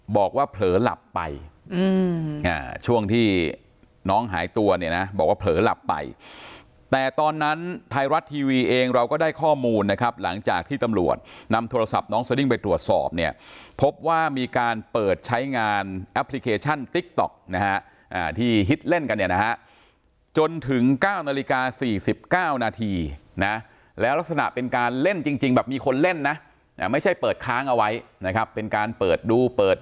บอกว่าเผลอหลับไปอืมอ่าช่วงที่น้องหายตัวเนี้ยนะบอกว่าเผลอหลับไปแต่ตอนนั้นไทยรัสทีวีเองเราก็ได้ข้อมูลนะครับหลังจากที่ตำรวจนำโทรศัพท์น้องสดิ้งไปตรวจสอบเนี้ยพบว่ามีการเปิดใช้งานแอปพลิเคชันติ๊กต๊อกนะฮะอ่าที่ฮิตเล่นกันเนี้ยนะฮะจนถึงเก้านาฬิกาสี่สิบเก้านาท